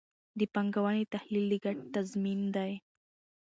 د پانګونې تحلیل د ګټې تضمین دی.